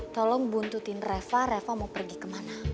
tolong buntutin reva reva mau pergi kemana